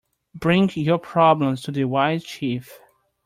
Bring your problems to the wise chief.